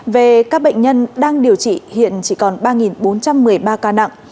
về các bệnh nhân đang điều trị hiện chỉ còn ba bốn trăm một mươi ba ca nặng